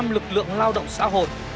hai mươi bảy lực lượng lao động xã hội